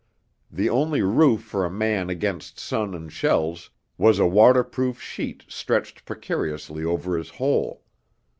The only roof for a man against sun and shells was a waterproof sheet stretched precariously over his hole.